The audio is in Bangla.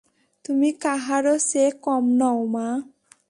তুমি কাহারো চেয়ে কম নও মা!